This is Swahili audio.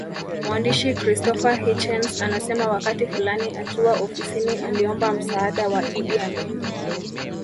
Mwandishi Christopher Hitchens anasema wakati fulani akiwa ofisini aliomba msaada wa Idi Amin